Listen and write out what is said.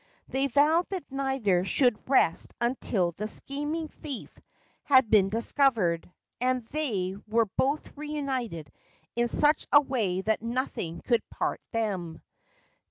They vowed that neither should rest until the scheming thief had been discovered, and they were both reunited in such a way that nothing could part them.